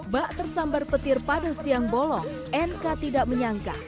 bak tersambar petir pada siang bolong nk tidak menyangka